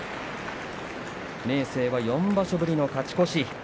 明生は４場所ぶりの勝ち越し。